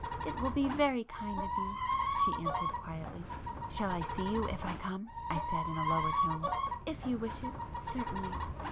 "It will be very kind of you,"—she answered quietly. "Shall I see you if I come?" I said in a lower tone. "If you wish it,—certainly!"